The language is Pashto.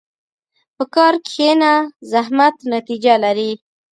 په کار کښېنه، زحمت نتیجه لري.